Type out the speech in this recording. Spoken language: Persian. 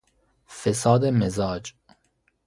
فساد مزاج